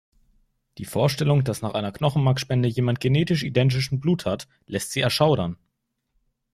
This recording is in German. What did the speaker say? Die Vorstellung, dass nach einer Knochenmarkspende jemand genetisch identischen Blut hat, lässt sie erschaudern.